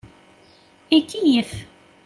Ikeyyef.